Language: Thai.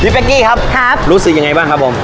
เป๊กกี้ครับครับรู้สึกยังไงบ้างครับผม